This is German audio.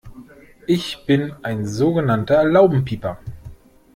Ich bin ein so genannter Laubenpieper.